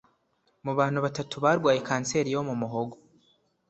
Mu bantu batatu barwaye kanseri yo mu muhogo